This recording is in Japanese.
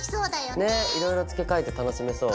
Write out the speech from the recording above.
ねっいろいろつけ替えて楽しめそう。